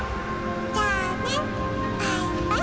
じゃあねバイバイ。